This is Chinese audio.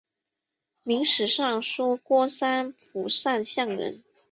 明史上说郭山甫善相人。